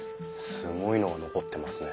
すごいのが残ってますね。